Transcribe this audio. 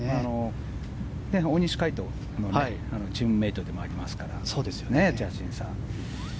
大西魁斗のチームメートでもありますからジャスティン・サー。